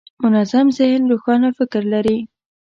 منظم ذهن روښانه فکر لري.